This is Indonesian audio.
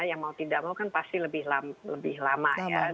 yang mau tidak mau kan pasti lebih lama ya